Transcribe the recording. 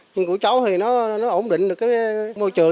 nhưng cổi chấu thì nó ổn định được cái môi trường